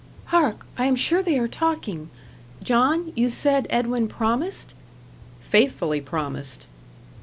"Hark! I am sure they are talking. John, you said Edwin promised?" "Faithfully promised."